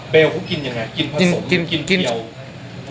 เบลก็กินยังไงกินผสม